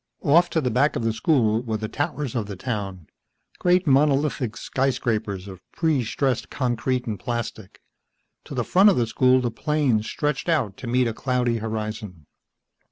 Off to the back of the school were the towers of the town, great monolithic skyscrapers of pre stressed concrete and plastic. To the front of the school the plains stretched out to meet a cloudy horizon.